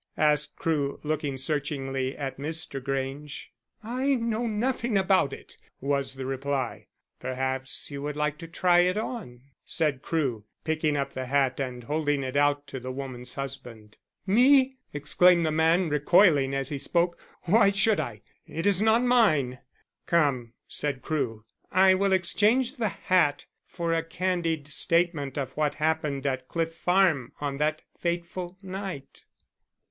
asked Crewe looking searchingly at Mr. Grange. "I know nothing about it," was the reply. "Perhaps you would like to try it on," said Crewe, picking up the hat and holding it out to the woman's husband. "Me?" exclaimed the man, recoiling as he spoke. "Why should I? It is not mine." "Come," said Crewe, "I will exchange the hat for a candid statement of what happened at Cliff Farm on that fateful night."